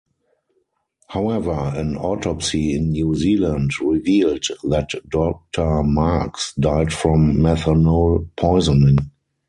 However, an autopsy in New Zealand revealed that Doctor Marks died from methanol poisoning.